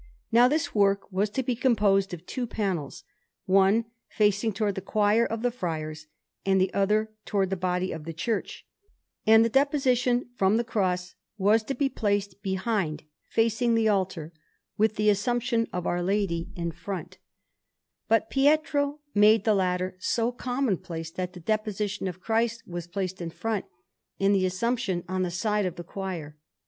Now this work was to be composed of two panels, one facing towards the choir of the friars, and the other towards the body of the church, and the Deposition from the Cross was to be placed behind, facing the choir, with the Assumption of Our Lady in front; but Pietro made the latter so commonplace, that the Deposition of Christ was placed in front, and the Assumption on the side of the choir.